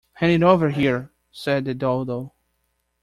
‘Hand it over here,’ said the Dodo.